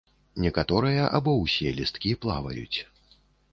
Некаторыя або ўсе лісткі плаваюць.